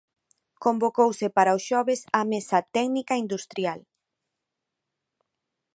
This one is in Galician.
Convocouse para o xoves a Mesa Técnica Industrial.